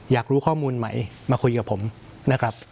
อยากรู้ข้อมูลใหม่มาคุยกับผมนะครับ